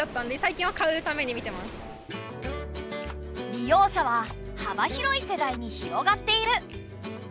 利用者ははば広い世代に広がっている。